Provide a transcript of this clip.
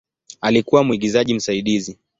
Alikuwa mwigizaji msaidizi.